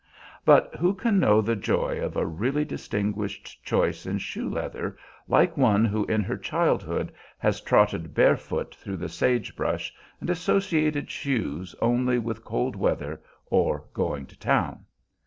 But who can know the joy of a really distinguished choice in shoe leather like one who in her childhood has trotted barefoot through the sage brush and associated shoes only with cold weather or going to town?